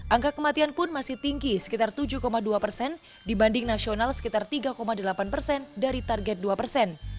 angka kematian pun masih tinggi sekitar tujuh dua persen dibanding nasional sekitar tiga delapan persen dari target dua persen